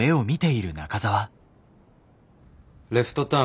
レフトターン。